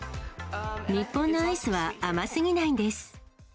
日本のアイスは甘すぎないん